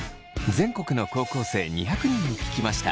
全国の高校生２００人に聞きました。